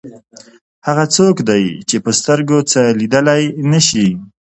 هغه څوک دی چې په سترګو څه لیدلی نه شي.